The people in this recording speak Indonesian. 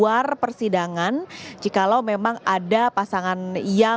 gambar yang anda saksikan saat ini adalah